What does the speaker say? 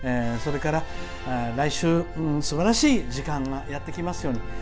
それから来週、すばらしい時間がやってきますように。